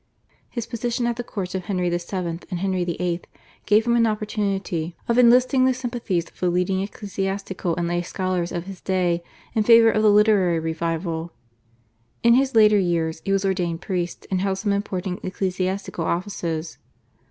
His position at the courts of Henry VII. and Henry VIII. gave him an opportunity of enlisting the sympathies of the leading ecclesiastical and lay scholars of his day in favour of the literary revival. In his later years he was ordained priest and held some important ecclesiastical offices.